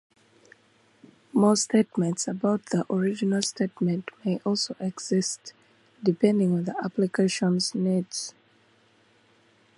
More statements about the original statement may also exist, depending on the application's needs.